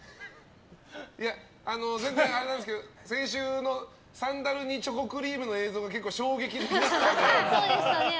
いや、全然あれなんですけど先週のサンダルにチョコクリームの映像が衝撃でした。